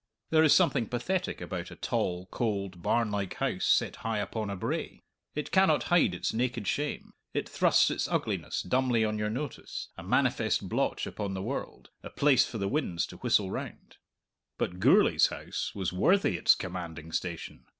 There is something pathetic about a tall, cold, barn like house set high upon a brae; it cannot hide its naked shame; it thrusts its ugliness dumbly on your notice, a manifest blotch upon the world, a place for the winds to whistle round. But Gourlay's house was worthy its commanding station.